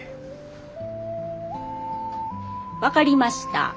分かりました。